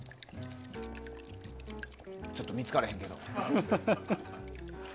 ちょっと見つかれへんけど。